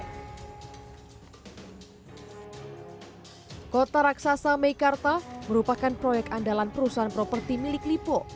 kota raksasa mekarta merupakan proyek andalan perusahaan properti milik lipo